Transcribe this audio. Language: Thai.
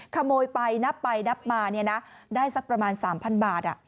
ขโมยไปนับไปนับมาเนี่ยนะได้สักประมาณสามพันบาทอ่ะ